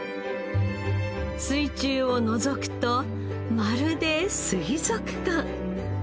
水中をのぞくとまるで水族館